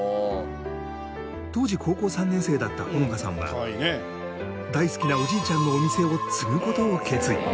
当時高校３年生だった穂乃花さんは大好きなおじいちゃんのお店を継ぐ事を決意。